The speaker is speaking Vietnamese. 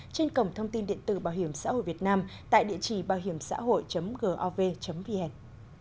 trên cổng thông tin điện tử bảo hiểm xã hội việt nam tại địa chỉ bảohiểmxãhội gov vn